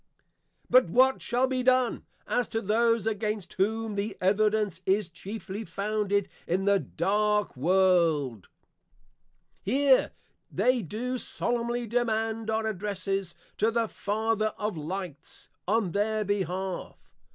But what shall be done, as to those against whom the evidence is chiefly founded in the dark world? Here they do solemnly demand our Addresses to the Father of Lights, on their behalf.